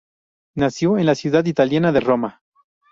Nació en la ciudad italiana de Roma.